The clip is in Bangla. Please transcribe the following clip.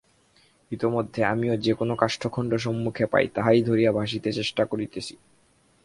ইতোমধ্যে আমিও যে-কোন কাষ্ঠখণ্ড সম্মুখে পাই, তাহাই ধরিয়া ভাসিতে চেষ্টা করিতেছি।